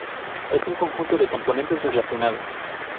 Es un conjunto de componentes relacionados.